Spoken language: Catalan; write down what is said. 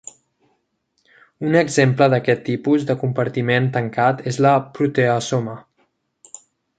Un exemple d'aquest tipus de compartiment tancat és la proteasoma.